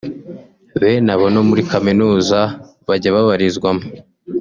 Bene abo no muri kaminuza bajya babarizwamo